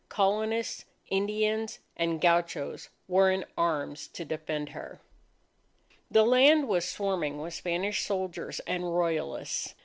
Colonists, Indians, and gauchos, were in arms to defend her. The land was swarming with Spanish soldiers and Royalists.